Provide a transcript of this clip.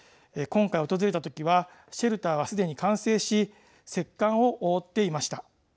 今回、訪れたときはシェルターは、すでに完成し石棺を覆っていました。